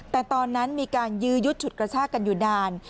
แต่ตอนนั้นมีการยื้อยุดฉุดกระชากันอยู่นาน